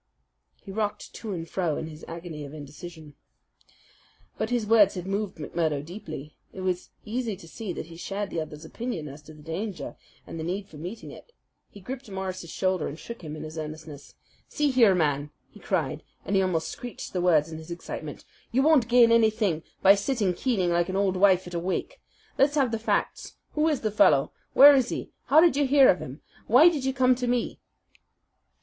He rocked to and fro in his agony of indecision. But his words had moved McMurdo deeply. It was easy to see that he shared the other's opinion as to the danger, and the need for meeting it. He gripped Morris's shoulder and shook him in his earnestness. "See here, man," he cried, and he almost screeched the words in his excitement, "you won't gain anything by sitting keening like an old wife at a wake. Let's have the facts. Who is the fellow? Where is he? How did you hear of him? Why did you come to me?"